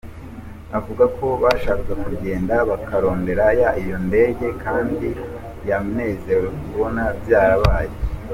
Avuga ko bashaka kugenda bakarondera iyo ndege kandi ko yanezerewe kubona vyarabaye.